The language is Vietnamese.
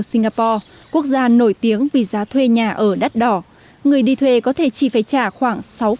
singapore quốc gia nổi tiếng vì giá thuê nhà ở đắt đỏ người đi thuê có thể chỉ phải trả khoảng